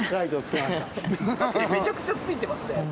確かにめちゃくちゃついていますね